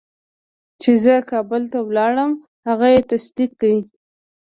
چې زه کابل ته لاړم هغه یې تصدیق کړه.